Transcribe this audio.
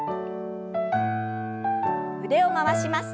腕を回します。